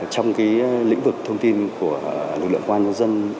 trong lĩnh vực thông tin của lực lượng công an nhân dân